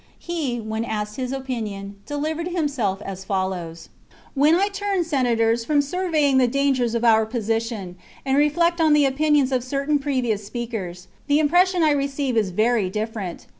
He, when asked his opinion, delivered himself as follows :—" When I turn, Senators, from surveying the dangers of our position, and reflect on the opinions of certain previous speakers, the impression I receive is very different.